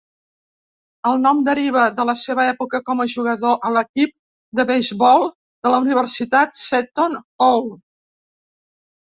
El nom deriva de la seva època com a jugador a l'equip de beisbol de la Universitat Seton Hall.